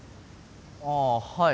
ああはい